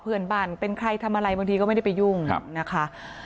เพื่อนบ้านเป็นใครทำอะไรบางทีก็ไม่ได้ไปยุ่งนะคะ